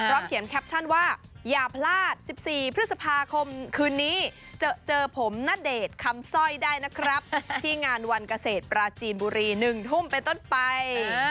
เขียนแคปชั่นว่าอย่าพลาด๑๔พฤษภาคมคืนนี้เจอผมณเดชน์คำสร้อยได้นะครับที่งานวันเกษตรปราจีนบุรี๑ทุ่มไปต้นไป